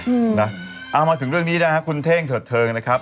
นะเอามาถึงเรื่องนี้นะฮะคุณเท่งเถิดเทิงนะครับ